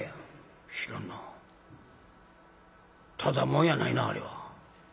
ただ者やないなあれは」。